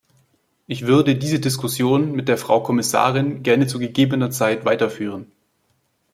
Ich würde diese Diskussion mit der Frau Kommissarin gerne zu gegebener Zeit weiterführen.